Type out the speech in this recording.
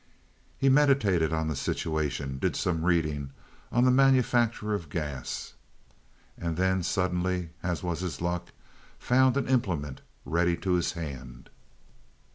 He meditated on the situation, did some reading on the manufacture of gas, and then suddenly, as was his luck, found an implement ready to his hand.